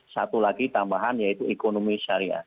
satu lagi tambahan yaitu ekonomi syariah